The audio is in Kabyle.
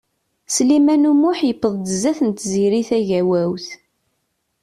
Sliman U Muḥ yewweḍ-d zdat n Tiziri Tagawawt.